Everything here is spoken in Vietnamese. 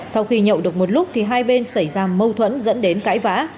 sau khi nhậu được một lúc thì hai bên xảy ra mâu thuẫn dẫn đến cãi vã